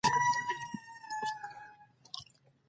د کابل د سرای خوجې څو تنو ځوانانو په ډاګه وويل.